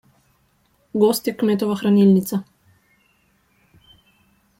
Gozd je kmetova hranilnica.